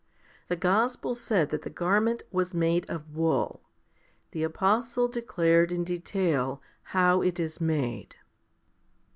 The gospel said that the garment was made of wool ; the apostle declared in detail, how it is made.